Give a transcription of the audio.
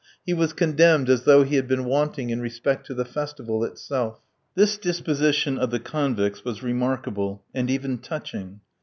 He was condemned as though he had been wanting in respect to the festival itself. This disposition of the convicts was remarkable, and even touching.